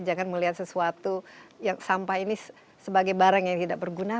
jangan melihat sesuatu yang sampah ini sebagai barang yang tidak berguna